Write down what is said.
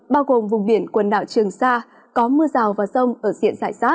bao gồm vùng biển quần đảo trường sa có mưa rào và rông ở diện rải rác